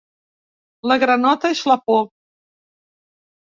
La granota és la por.